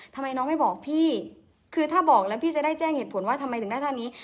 ทำไมน้องไม่บอกพี่คือถ้าบอกแล้วพี่จะได้แจ้งเหตุผลว่าทำไมถึงได้ท่านนี้